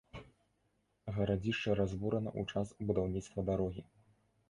Гарадзішча разбурана ў час будаўніцтва дарогі.